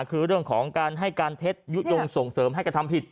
คือเรื่องของการให้การเท็จยุโยงส่งเสริมให้กระทำผิด